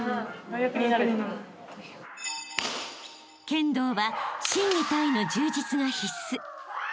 ［剣道は心技体の充実が必須］